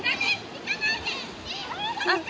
行かないで！